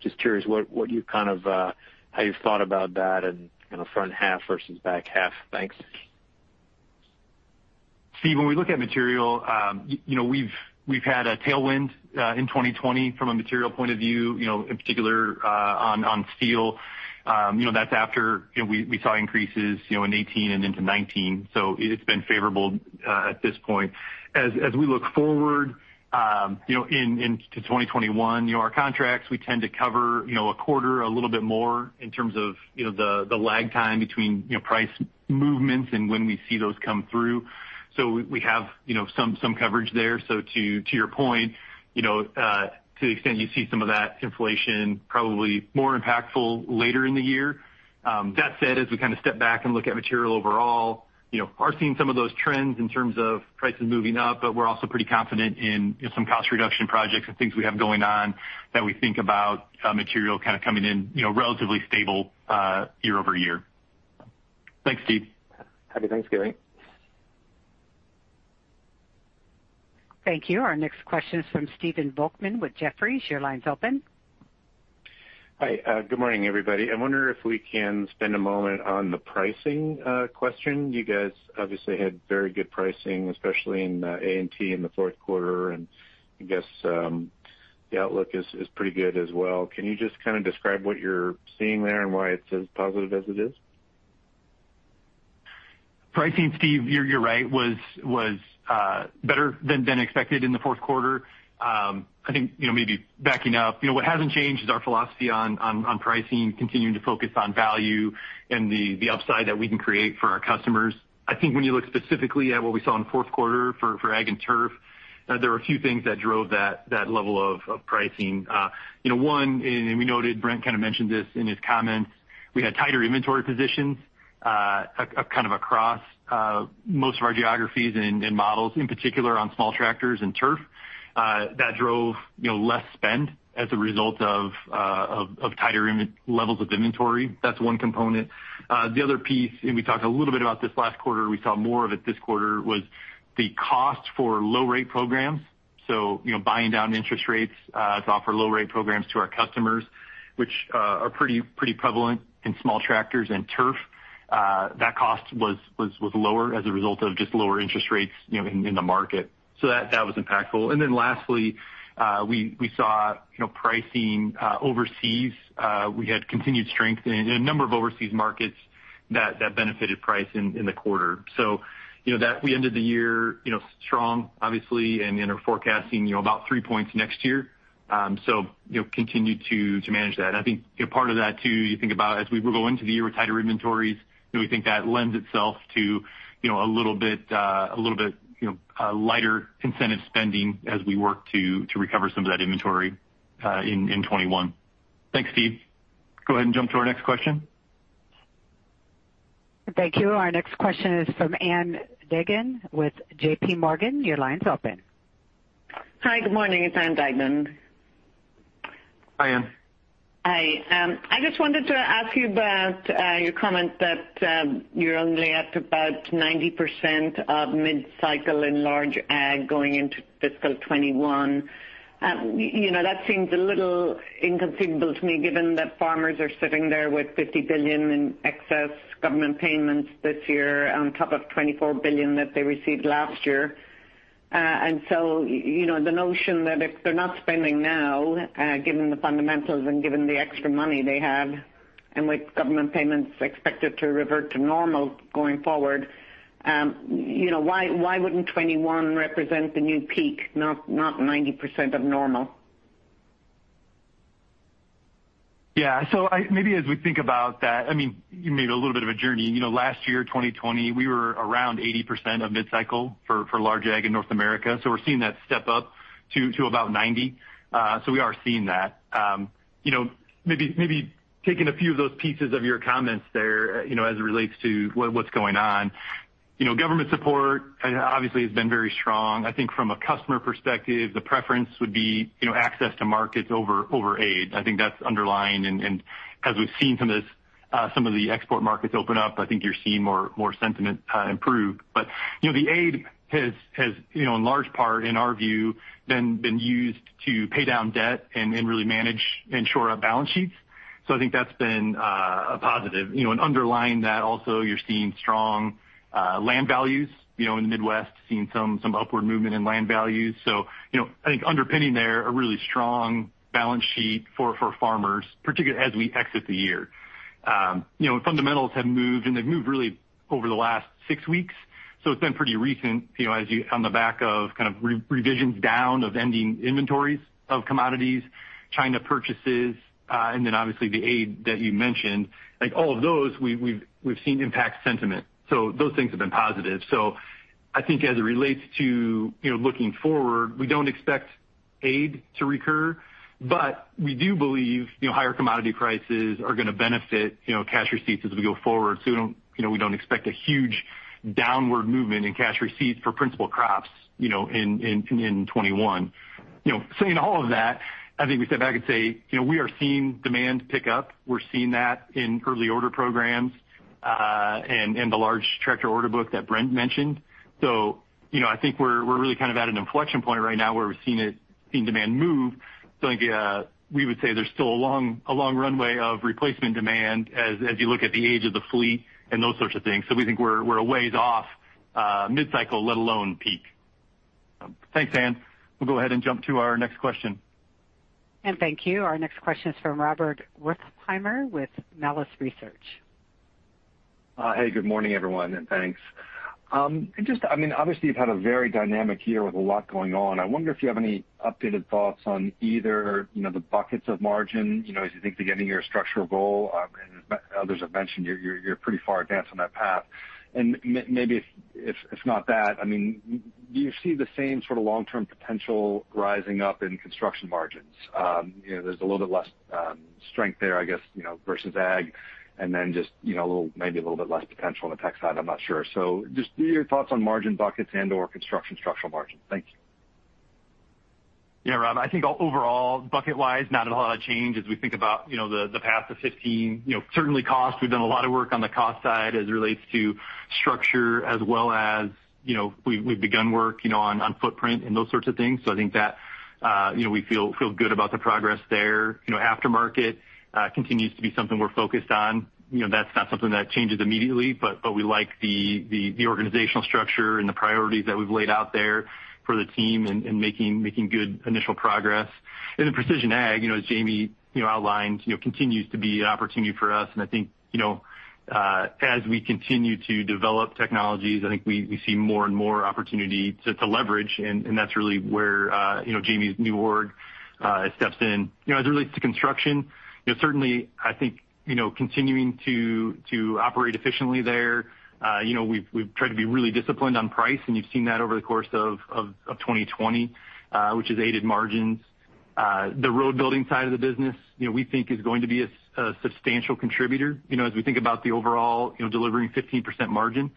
Just curious how you've thought about that and front half versus back half. Thanks. Steve, when we look at material we've had a tailwind in 2020 from a material point of view, in particular on steel. That's after we saw increases in 2018 and into 2019. It's been favorable at this point. As we look forward into 2021, our contracts, we tend to cover a quarter, a little bit more in terms of the lag time between price movements and when we see those come through. We have some coverage there. To your point, to the extent you see some of that inflation probably more impactful later in the year. As we kind of step back and look at material overall, we are seeing some of those trends in terms of prices moving up, but we're also pretty confident in some cost reduction projects and things we have going on that we think about material kind of coming in relatively stable year-over-year. Thanks, Steven. Happy Thanksgiving. Thank you. Our next question is from Stephen Volkmann with Jefferies. Your line's open. Hi, good morning, everybody. I wonder if we can spend a moment on the pricing question. You guys obviously had very good pricing, especially in A&T in the fourth quarter. I guess the outlook is pretty good as well. Can you just kind of describe what you're seeing there and why it's as positive as it is? Pricing, Steve, you're right, was better than expected in the fourth quarter. Maybe backing up, what hasn't changed is our philosophy on pricing, continuing to focus on value and the upside that we can create for our customers. When you look specifically at what we saw in the fourth quarter for Ag & Turf, there were a few things that drove that level of pricing. One, we noted Brent kind of mentioned this in his comments, we had tighter inventory positions kind of across most of our geographies and models, in particular on small tractors and turf. That drove less spend as a result of tighter levels of inventory. That's one component. The other piece, we talked a little bit about this last quarter, we saw more of it this quarter, was the cost for low rate programs. Buying down interest rates to offer low rate programs to our customers, which are pretty prevalent in small tractors and turf. That cost was lower as a result of just lower interest rates in the market. That was impactful. Lastly, we saw pricing overseas. We had continued strength in a number of overseas markets that benefited price in the quarter. We ended the year strong, obviously, and are forecasting about three points next year. Continue to manage that. I think part of that too, you think about as we go into the year with tighter inventories, we think that lends itself to a little bit lighter incentive spending as we work to recover some of that inventory in 2021. Thanks, Steve. Go ahead and jump to our next question. Thank you. Our next question is from Ann Duignan with JPMorgan. Your line's open. Hi, good morning. It's Ann Duignan. Hi, Ann. Hi. I just wanted to ask you about your comment that you're only at about 90% of mid-cycle in large Ag going into fiscal 2021. That seems a little inconceivable to me given that farmers are sitting there with $50 billion in excess government payments this year on top of $24 billion that they received last year. The notion that if they're not spending now, given the fundamentals and given the extra money they have, and with government payments expected to revert to normal going forward, why wouldn't 2021 represent the new peak, not 90% of normal? Yeah. Maybe as we think about that, you made a little bit of a journey. Last year, 2020, we were around 80% of mid-cycle for large Ag in North America. We're seeing that step up to about 90. We are seeing that. Maybe taking a few of those pieces of your comments there as it relates to what's going on. Government support obviously has been very strong. I think from a customer perspective, the preference would be access to markets over aid. I think that's underlying and as we've seen some of the export markets open up, I think you're seeing more sentiment improve. The aid has in large part, in our view, been used to pay down debt and really manage and shore up balance sheets. I think that's been a positive. Underlying that also, you're seeing strong land values in the Midwest, seeing some upward movement in land values. I think underpinning there a really strong balance sheet for farmers, particularly as we exit the year. Fundamentals have moved, and they've moved really over the last six weeks. It's been pretty recent on the back of kind of revisions down of ending inventories of commodities, China purchases, and then obviously the aid that you mentioned. Like all of those, we've seen impact sentiment. Those things have been positive. I think as it relates to looking forward, we don't expect aid to recur, but we do believe higher commodity prices are going to benefit cash receipts as we go forward. We don't expect a huge downward movement in cash receipts for principal crops in 2021. Saying all of that, I think we step back and say we are seeing demand pick up. We're seeing that in early order programs and the large tractor order book that Brent mentioned. I think we're really kind of at an inflection point right now where we're seeing demand move. I think we would say there's still a long runway of replacement demand as you look at the age of the fleet and those sorts of things. We think we're a ways off mid-cycle, let alone peak. Thanks, Ann. We'll go ahead and jump to our next question. Thank you. Our next question is from Rob Wertheimer with Melius Research. Hey, good morning, everyone, and thanks. Obviously, you've had a very dynamic year with a lot going on. I wonder if you have any updated thoughts on either the buckets of margin as you think through getting your structural goal. Others have mentioned you're pretty far advanced on that path. Maybe if it's not that, do you see the same sort of long-term potential rising up in construction margins? There's a little bit less strength there, I guess, versus ag, then just maybe a little bit less potential on the tech side. I'm not sure. Just your thoughts on margin buckets and/or construction structural margins. Thank you. Yeah, Rob, I think overall, bucket-wise, not a whole lot of change as we think about the path to 15. Certainly cost, we've done a lot of work on the cost side as it relates to structure as well as we've begun work on footprint and those sorts of things. I think that we feel good about the progress there. Aftermarket continues to be something we're focused on. That's not something that changes immediately, but we like the organizational structure and the priorities that we've laid out there for the team in making good initial progress. Precision Ag, as Jahmy outlined, continues to be an opportunity for us. I think as we continue to develop technologies, I think we see more and more opportunity to leverage. That's really where Jahmy's new org steps in. As it relates to construction, certainly I think continuing to operate efficiently there. We've tried to be really disciplined on price, and you've seen that over the course of 2020, which has aided margins. The road building side of the business we think is going to be a substantial contributor as we think about the overall delivering 15% margin.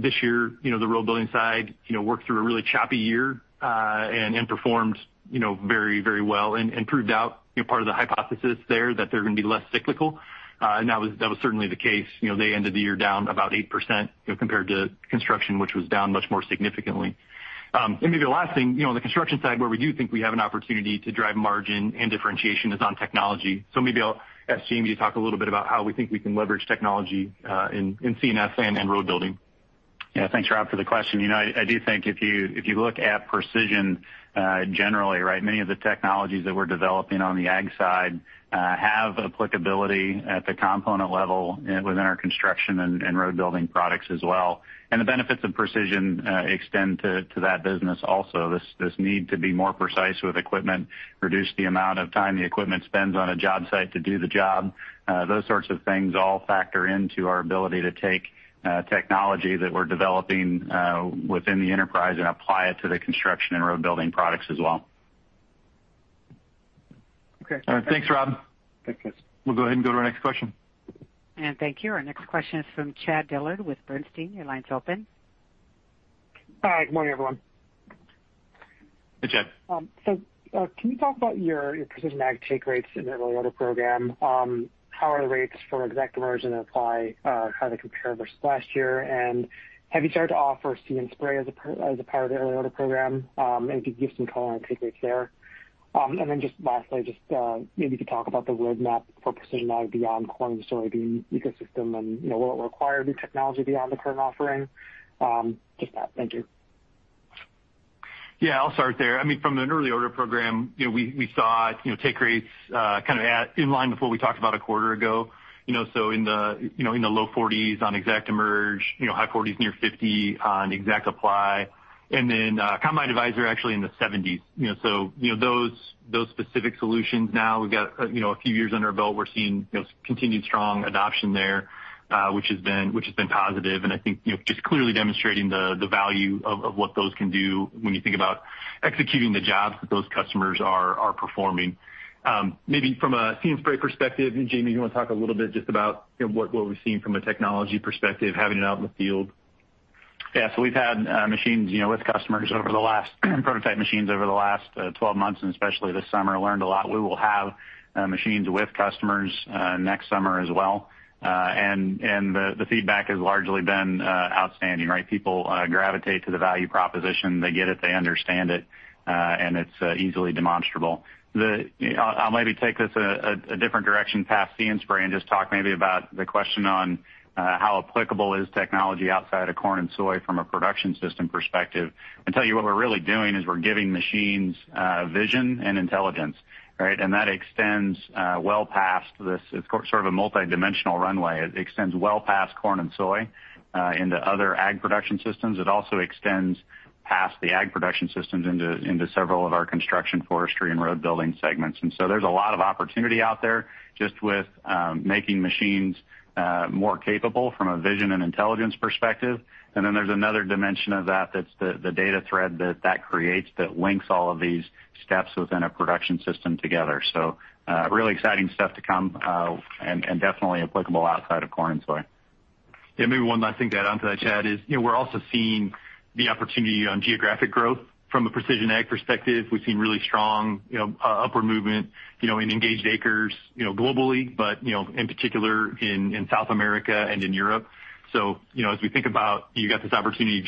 This year, the road building side worked through a really choppy year and performed very well and proved out part of the hypothesis there that they're going to be less cyclical. That was certainly the case. They ended the year down about 8% compared to construction, which was down much more significantly. Maybe the last thing, on the construction side where we do think we have an opportunity to drive margin and differentiation is on technology. Maybe I'll ask Jahmy to talk a little bit about how we think we can leverage technology in C&F and road building. Thanks, Rob, for the question. I do think if you look at precision generally, many of the technologies that we're developing on the ag side have applicability at the component level within our construction and road building products as well. The benefits of precision extend to that business also. This need to be more precise with equipment, reduce the amount of time the equipment spends on a job site to do the job. Those sorts of things all factor into our ability to take technology that we're developing within the enterprise and apply it to the construction and road building products as well. Okay. All right. Thanks, Rob. Thanks, guys. We'll go ahead and go to our next question. Thank you. Our next question is from Chad Dillard with Bernstein. Your line's open. Hi. Good morning, everyone. Hey, Chad. Can you talk about your precision ag take rates in the early order program? How are the rates for ExactEmerge and ExactApply? How do they compare versus last year? Have you started to offer See & Spray as a part of the early order program? If you could give some color on take rates there. Lastly, maybe you could talk about the roadmap for precision ag beyond corn and soybean ecosystem and will it require new technology beyond the current offering? Just that. Thank you. Yeah, I'll start there. From an early order program, we saw take rates kind of at in line with what we talked about a quarter ago. In the low 40s on ExactEmerge, high 40s near 50 on ExactApply. Combine Advisor actually in the 70s. Those specific solutions now we've got a few years under our belt. We're seeing continued strong adoption there, which has been positive. I think just clearly demonstrating the value of what those can do when you think about executing the jobs that those customers are performing. Maybe from a See & Spray perspective, Jahmy do you want to talk a little bit just about what we're seeing from a technology perspective, having it out in the field? So we've had prototype machines with customers over the last 12 months, and especially this summer, learned a lot. We will have machines with customers next summer as well. The feedback has largely been outstanding. People gravitate to the value proposition. They get it, they understand it, and it's easily demonstrable. I'll maybe take this a different direction past See & Spray and just talk maybe about the question on how applicable is technology outside of corn and soy from a production system perspective. I can tell you what we're really doing is we're giving machines vision and intelligence. That extends well past this. It's sort of a multidimensional runway. It extends well past corn and soy into other ag production systems. It also extends past the ag production systems into several of our construction, forestry, and road building segments. There's a lot of opportunity out there just with making machines more capable from a vision and intelligence perspective. Then there's another dimension of that. That's the data thread that creates that links all of these steps within a production system together. Really exciting stuff to come, and definitely applicable outside of corn and soy. Maybe one last thing to add onto that, Chad, is we're also seeing the opportunity on geographic growth from a precision ag perspective. We've seen really strong upward movement in engaged acres globally, but in particular in South America and in Europe. As we think about you got this opportunity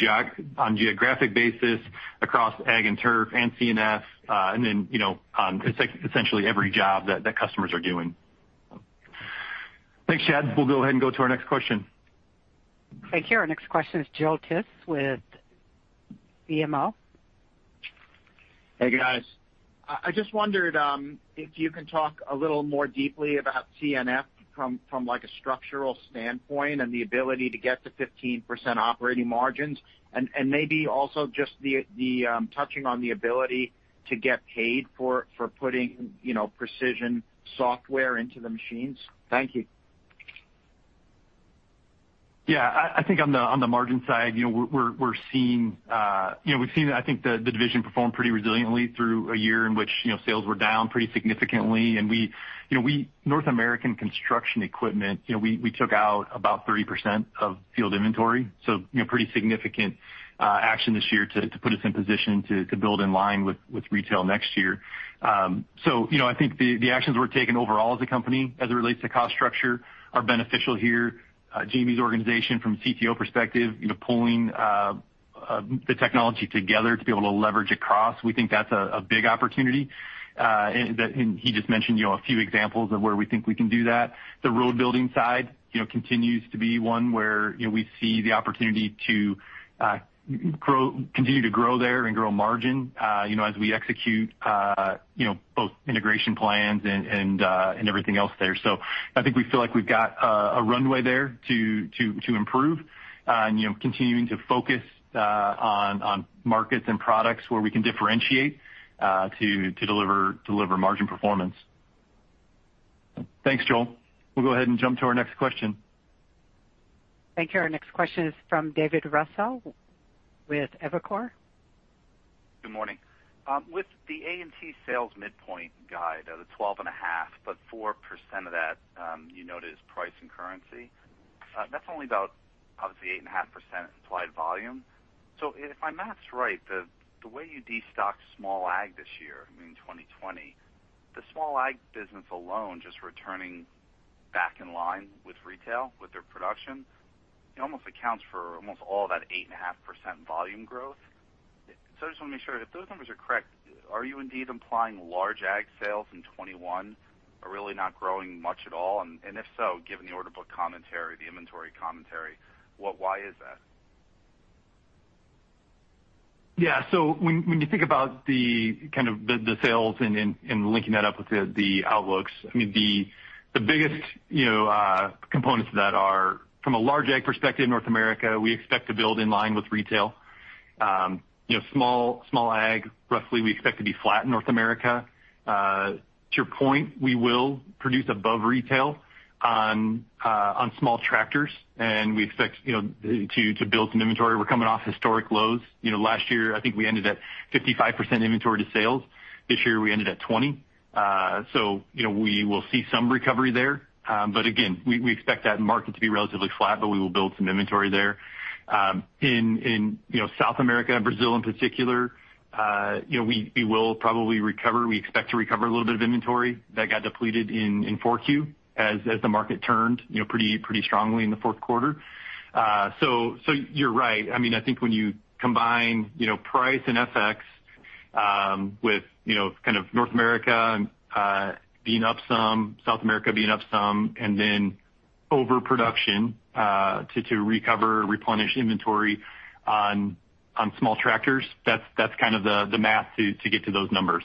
on geographic basis across Ag & Turf and C&F, and then on essentially every job that customers are doing. Thanks, Chad. We'll go ahead and go to our next question. Thank you. Our next question is Joel Tiss with BMO. Hey, guys. I just wondered if you can talk a little more deeply about C&F from a structural standpoint and the ability to get to 15% operating margins, and maybe also just touching on the ability to get paid for putting precision software into the machines. Thank you. Yeah. I think on the margin side, we've seen, I think, the division perform pretty resiliently through a year in which sales were down pretty significantly. North American Construction Equipment, we took out about 30% of field inventory, Pretty significant action this year to put us in position to build in line with retail next year. I think the actions we're taking overall as a company as it relates to cost structure are beneficial here. Jahmy's organization from a CTO perspective pulling the technology together to be able to leverage across. We think that's a big opportunity. He just mentioned a few examples of where we think we can do that. The road building side continues to be one where we see the opportunity to continue to grow there and grow margin as we execute both integration plans and everything else there. I think we feel like we've got a runway there to improve, and continuing to focus on markets and products where we can differentiate to deliver margin performance. Thanks, Joel. We'll go ahead and jump to our next question. Thank you. Our next question is from David Raso with Evercore. Good morning. With the A&T sales midpoint guide of the 12.5%, but 4% of that you noted is price and currency. That's only about, obviously, 8.5% implied volume. If my math's right, the way you destocked small ag this year, I mean 2020, the small ag business alone just returning back in line with retail with their production almost accounts for almost all that 8.5% volume growth. I just want to make sure if those numbers are correct, are you indeed implying large ag sales in 2021 are really not growing much at all? If so, given the order book commentary, the inventory commentary, why is that? Yeah. When you think about the sales and linking that up with the outlooks, the biggest components of that are from a large ag perspective in North America, we expect to build in line with retail. Small ag, roughly we expect to be flat in North America. To your point, we will produce above retail on small tractors and we expect to build some inventory. We're coming off historic lows. Last year, I think we ended at 55% inventory to sales. This year we ended at 20%. We will see some recovery there. Again, we expect that market to be relatively flat, but we will build some inventory there. In South America and Brazil in particular we will probably recover. We expect to recover a little bit of inventory that got depleted in 4Q as the market turned pretty strongly in the fourth quarter. You're right. I think when you combine price and FX with North America being up some, South America being up some, and then overproduction to recover, replenish inventory on small tractors, that's kind of the math to get to those numbers.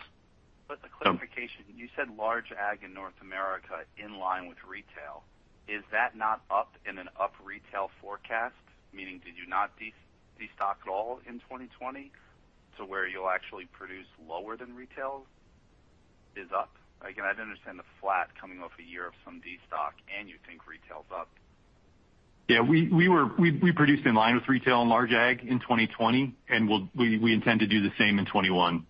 A clarification. You said large ag in North America in line with retail. Is that not up in an up retail forecast? Meaning did you not destock at all in 2020 to where you'll actually produce lower than retail is up? I don't understand the flat coming off a year of some destock and you think retail's up. Yeah, we produced in line with retail and large ag in 2020. We intend to do the same in 2021.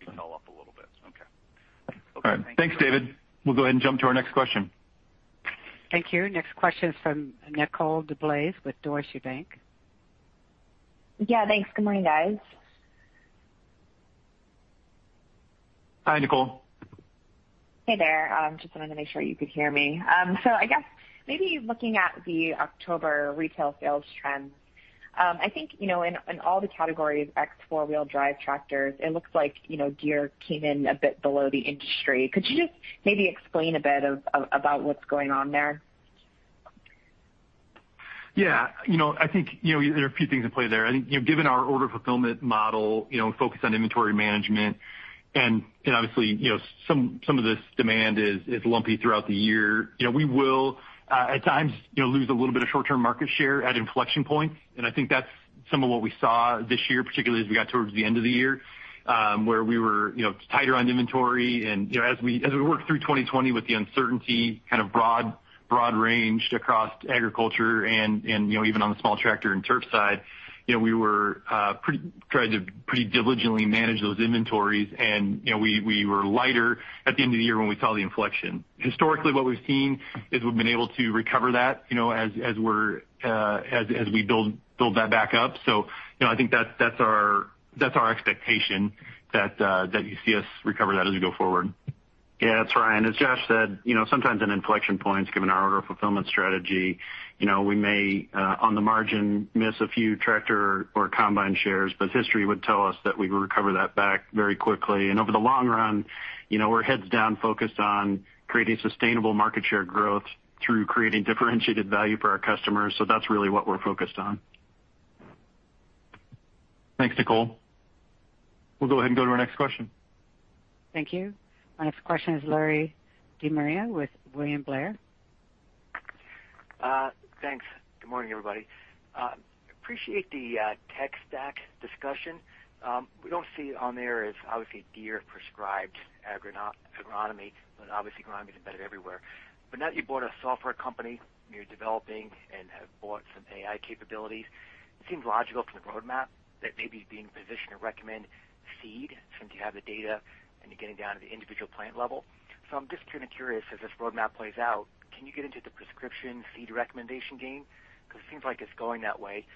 Retail up a little bit. Okay. All right. Thanks, David. We'll go ahead and jump to our next question. Thank you. Next question is from Nicole DeBlase with Deutsche Bank. Thanks. Good morning, guys. Hi, Nicole. Hey there. Just wanted to make sure you could hear me. I guess maybe looking at the October retail sales trends. I think in all the categories ex four-wheel drive tractors, it looks like Deere came in a bit below the industry. Could you just maybe explain a bit about what's going on there? Yeah. I think there are a few things in play there. I think given our order fulfillment model focus on inventory management and obviously some of this demand is lumpy throughout the year. We will at times lose a little bit of short-term market share at inflection points, and I think that's some of what we saw this year, particularly as we got towards the end of the year where we were tighter on inventory. As we worked through 2020 with the uncertainty kind of broad ranged across agriculture and even on the small tractor and turf side, we tried to pretty diligently manage those inventories, and we were lighter at the end of the year when we saw the inflection. Historically, what we've seen is we've been able to recover that as we build that back up. I think that's our expectation that you see us recover that as we go forward. Yeah, that's right. As Josh said, sometimes at inflection points given our order fulfillment strategy we may on the margin miss a few tractor or combine shares, but history would tell us that we recover that back very quickly. Over the long run we're heads down focused on creating sustainable market share growth through creating differentiated value for our customers. That's really what we're focused on. Thanks, Nicole. We'll go ahead and go to our next question. Thank you. Our next question is Larry De Maria with William Blair. Thanks. Good morning, everybody. Appreciate the tech stack discussion. We don't see on there is obviously Deere prescribed agronomy is embedded everywhere. Now that you bought a software company and you're developing and have bought some AI capabilities, it seems logical from the roadmap that maybe being positioned to recommend seed, since you have the data and you're getting down to the individual plant level. I'm just kind of curious, as this roadmap plays out, can you get into the prescription seed recommendation game? Because it seems like it's going that way.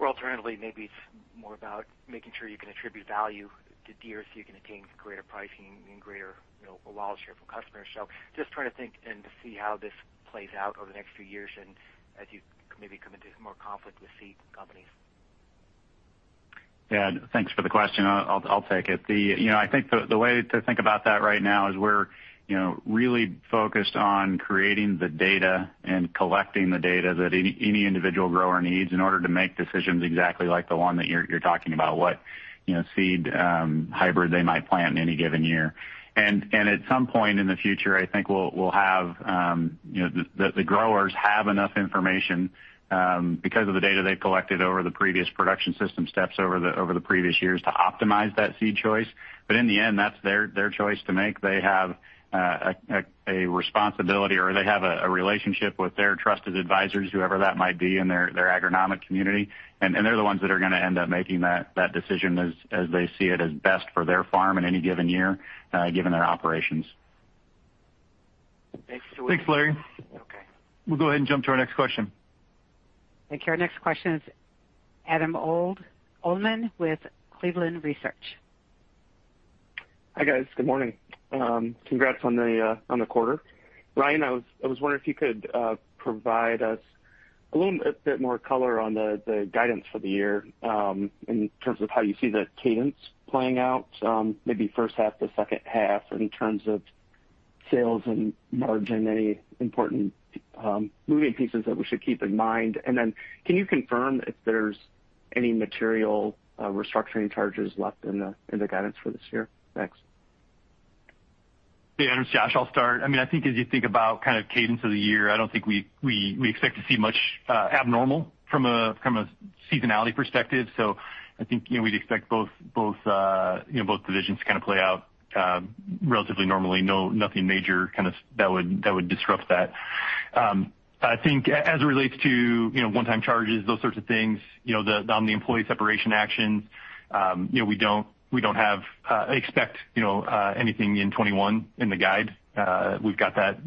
Alternatively, maybe it's more about making sure you can attribute value to Deere so you can attain greater pricing and greater loyal share from customers. Just trying to think and to see how this plays out over the next few years and as you maybe come into more conflict with seed companies. Yeah. Thanks for the question. I'll take it. I think the way to think about that right now is we're really focused on creating the data and collecting the data that any individual grower needs in order to make decisions exactly like the one that you're talking about, what seed hybrid they might plant in any given year. At some point in the future, I think the growers have enough information because of the data they've collected over the previous production system steps over the previous years to optimize that seed choice. In the end, that's their choice to make. They have a responsibility, or they have a relationship with their trusted advisors, whoever that might be in their agronomic community. They're the ones that are going to end up making that decision as they see it as best for their farm in any given year, given their operations. Thanks. Thanks, Larry. Okay. We'll go ahead and jump to our next question. Thank you. Our next question is Adam Uhlman with Cleveland Research. Hi, guys. Good morning. Congrats on the quarter. Ryan, I was wondering if you could provide us a little bit more color on the guidance for the year in terms of how you see the cadence playing out maybe first half to second half in terms of sales and margin, any important moving pieces that we should keep in mind. Can you confirm if there's any material restructuring charges left in the guidance for this year? Thanks. Yeah, Adam. It's Josh, I'll start. I think as you think about kind of cadence of the year, I don't think we expect to see much abnormal from a seasonality perspective. I think we'd expect both divisions to kind of play out relatively normally. Nothing major that would disrupt that. I think as it relates to one-time charges, those sorts of things, on the employee separation action, we don't expect anything in 2021 in the guide. We've got that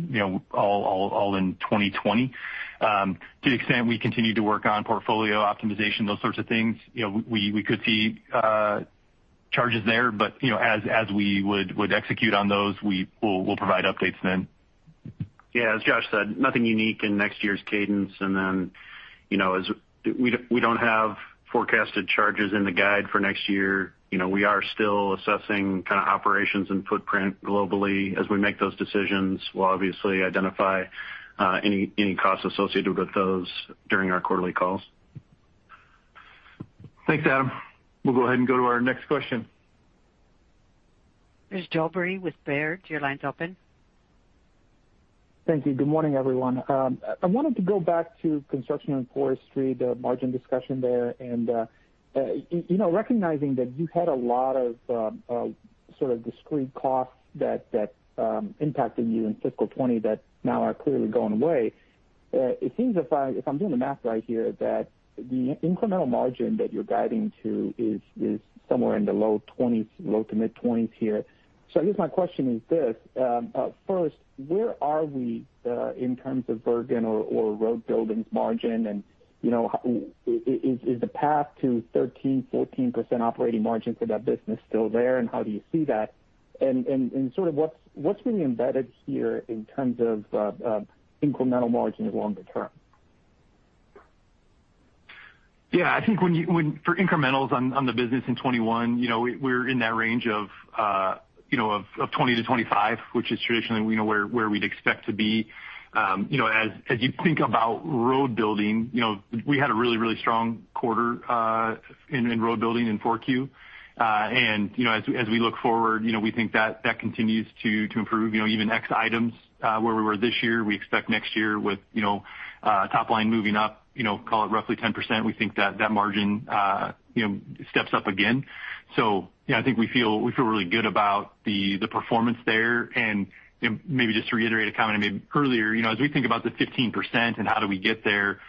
all in 2020. To the extent we continue to work on portfolio optimization, those sorts of things, we could see charges there. As we would execute on those, we'll provide updates then. Yeah, as Josh said, nothing unique in next year's cadence. We don't have forecasted charges in the guide for next year. We are still assessing kind of operations and footprint globally. We make those decisions, we'll obviously identify any costs associated with those during our quarterly calls. Thanks, Adam. We'll go ahead and go to our next question. Here's Mircea Dobre with Baird. Your line's open. Thank you. Good morning, everyone. I wanted to go back to Construction & Forestry, the margin discussion there. Recognizing that you had a lot of sort of discrete costs that impacted you in fiscal 2020 that now are clearly going away. It seems, if I'm doing the math right here, that the incremental margin that you're guiding to is somewhere in the low to mid-20s here. I guess my question is this. First, where are we in terms of Wirtgen or road buildings margin? Is the path to 13%, 14% operating margin for that business still there, and how do you see that? What's really embedded here in terms of incremental margin longer term? Yeah, I think for incrementals on the business in 2021, we're in that range of 20%-25%, which is traditionally where we'd expect to be. As you think about road building, we had a really strong quarter in road building in 4Q. As we look forward, we think that continues to improve even X items where we were this year, we expect next year with top line moving up, call it roughly 10%. We think that margin steps up again. Yeah, I think we feel really good about the performance there. Maybe just to reiterate a comment I made earlier, as we think about the 15% and how do we get there,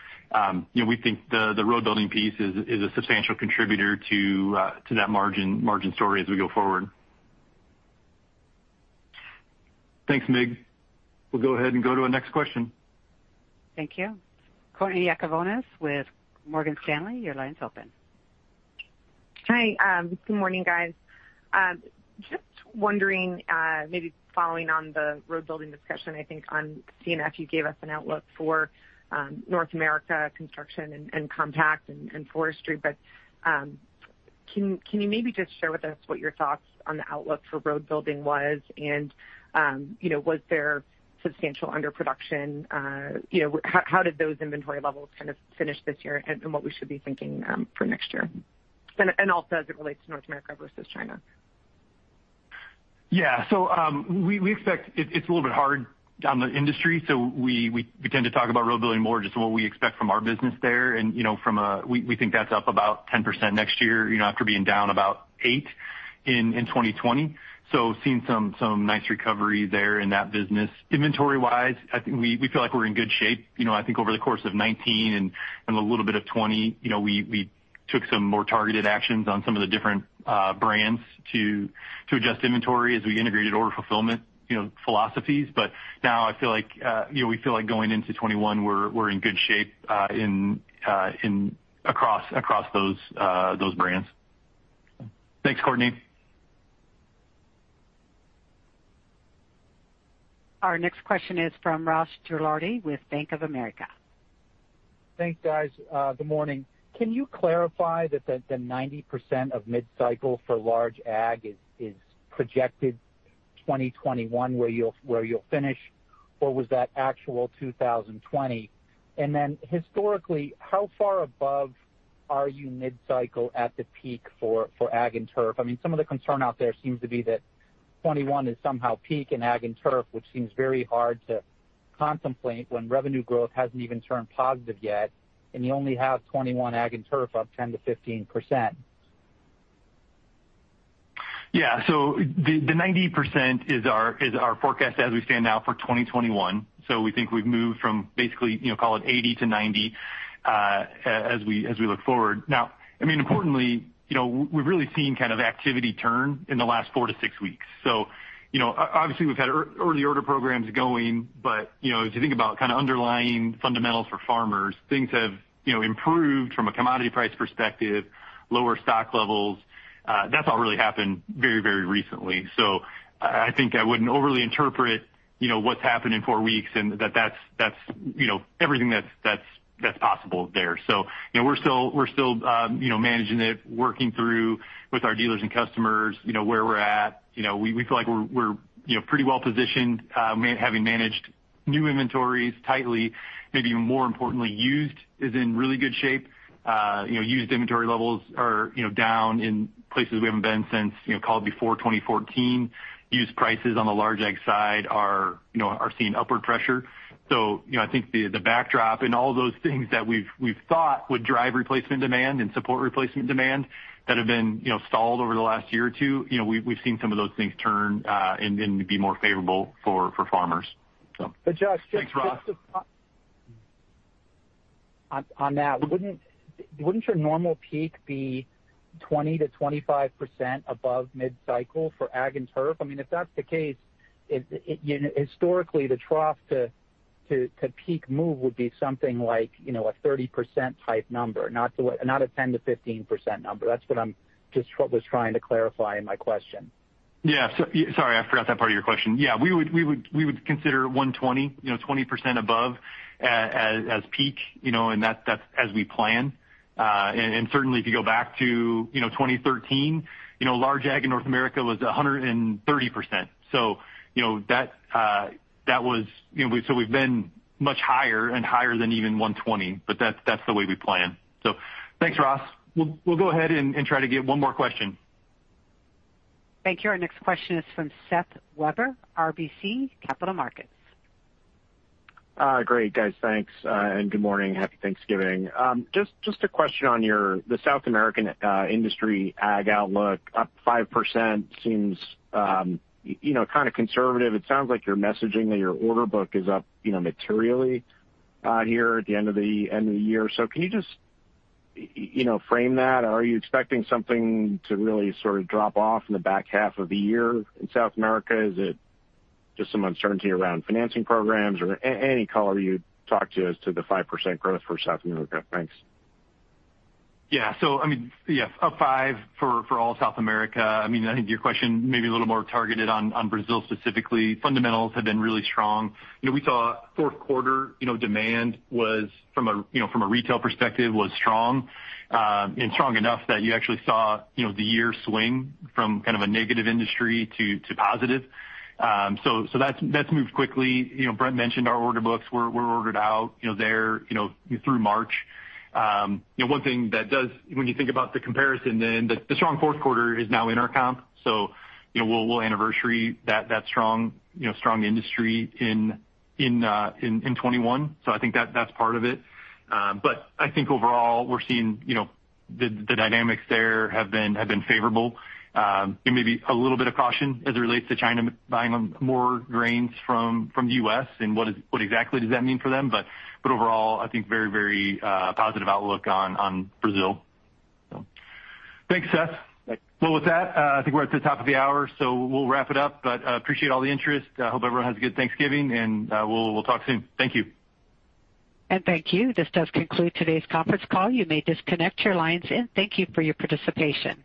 we think the road building piece is a substantial contributor to that margin story as we go forward. Thanks, Mircea. We'll go ahead and go to our next question. Thank you. Courtney Yakavonis with Morgan Stanley. Your line's open. Hi. Good morning, guys. Just wondering, maybe following on the road building discussion, I think on C&F, you gave us an outlook for North America construction and compact and forestry. Can you maybe just share with us what your thoughts on the outlook for road building was? Was there substantial underproduction? How did those inventory levels kind of finish this year, and what we should be thinking for next year? Also as it relates to North America versus China. Yeah. We expect it's a little bit hard on the industry, so we tend to talk about road building more just what we expect from our business there. We think that's up about 10% next year after being down about eight in 2020. Seeing some nice recovery there in that business. Inventory-wise, I think we feel like we're in good shape. I think over the course of 2019 and a little bit of 2020, we took some more targeted actions on some of the different brands to adjust inventory as we integrated order fulfillment philosophies. Now we feel like going into 2021, we're in good shape across those brands. Thanks, Courtney. Our next question is from Ross Gilardi with Bank of America. Thanks, guys. Good morning. Can you clarify that the 90% of mid-cycle for large ag is projected 2021 where you'll finish, or was that actual 2020? Historically, how far above are you mid-cycle at the peak for Ag & Turf? Some of the concern out there seems to be that 2021 is somehow peak in Ag & Turf, which seems very hard to contemplate when revenue growth hasn't even turned positive yet, and you only have 2021 Ag & Turf up 10%-15%. Yeah. The 90% is our forecast as we stand now for 2021. We think we've moved from basically call it 80%-90% as we look forward. Now, importantly, we've really seen kind of activity turn in the last 4-6 weeks. Obviously we've had early order programs going, but if you think about kind of underlying fundamentals for farmers, things have improved from a commodity price perspective, lower stock levels. That's all really happened very recently. I think I wouldn't overly interpret what's happened in four weeks and that's everything that's possible there. We're still managing it, working through with our dealers and customers where we're at. We feel like we're pretty well-positioned having managed new inventories tightly, maybe even more importantly, used is in really good shape. Used inventory levels are down in places we haven't been since call it before 2014. Used prices on the large ag side are seeing upward pressure. I think the backdrop in all those things that we've thought would drive replacement demand and support replacement demand that have been stalled over the last year or two. We've seen some of those things turn and be more favorable for farmers. But Josh- Thanks, Ross. just on that, wouldn't your normal peak be 20%-25% above mid-cycle for Ag & Turf? If that's the case, historically the trough-to-peak move would be something like a 30%-type number, not a 10%-15% number. That's what I'm just trying to clarify in my question. Yeah. Sorry, I forgot that part of your question. Yeah, we would consider 120, 20% above as peak and that's as we plan. Certainly if you go back to 2013, large ag in North America was 130%. We've been much higher and higher than even 120, but that's the way we plan. Thanks, Ross. We'll go ahead and try to get one more question. Thank you. Our next question is from Seth Weber, RBC Capital Markets. Great, guys. Thanks, good morning. Happy Thanksgiving. Just a question on the South American industry ag outlook. Up 5% seems kind of conservative. It sounds like you're messaging that your order book is up materially here at the end of the year. Can you just frame that? Are you expecting something to really sort of drop off in the back half of the year in South America? Is it just some uncertainty around financing programs or any color you'd talk to as to the 5% growth for South America? Thanks. Yeah. Up five for all South America. I think your question may be a little more targeted on Brazil specifically. Fundamentals have been really strong. We saw fourth quarter demand from a retail perspective was strong, and strong enough that you actually saw the year swing from kind of a negative industry to positive. That's moved quickly. Brent mentioned our order books were ordered out there through March. One thing that does, when you think about the comparison then, the strong fourth quarter is now in our comp. We'll anniversary that strong industry in 2021. I think that's part of it. I think overall we're seeing the dynamics there have been favorable. Maybe a little bit of caution as it relates to China buying more grains from the U.S. and what exactly does that mean for them. Overall, I think very positive outlook on Brazil. Thanks, Seth. Thanks. Well, with that, I think we're at the top of the hour, so we'll wrap it up. Appreciate all the interest. Hope everyone has a good Thanksgiving, and we'll talk soon. Thank you. Thank you. This does conclude today's conference call. You may disconnect your lines and thank you for your participation.